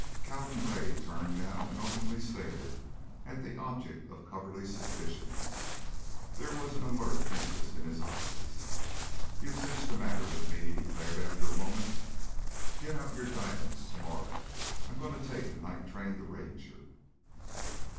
Calvin Gray turned now and openly stared at the object of Coverly's suspicions. There was an alert interest in his eyes. "You've cinched the matter with me," he declared, after a moment. "Get out your diamonds to morrow; I'm going to take the night train to Ranger."